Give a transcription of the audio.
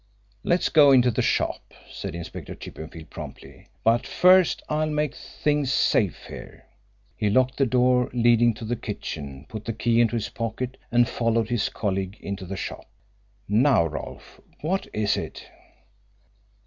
"Let's go into the shop," said Inspector Chippenfield promptly. "But, first, I'll make things safe here." He locked the door leading to the kitchen, put the key into his pocket, and followed his colleague into the shop. "Now, Rolfe, what is it?"